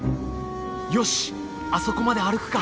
よしあそこまで歩くか。